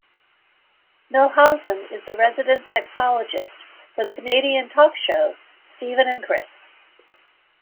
Milhausen is the resident sexologist for the Canadian talk show "Steven and Chris".